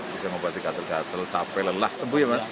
bisa mengobati katel katel sampai lelah sembuh ya mas